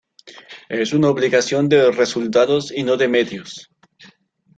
Es una obligación de resultados y no de medios.